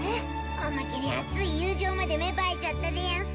おまけに熱い友情まで芽生えちゃったでヤンス。